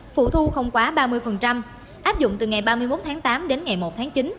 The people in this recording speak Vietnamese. phụ thu không quá ba mươi áp dụng từ ngày ba mươi một tháng tám đến ngày một tháng chín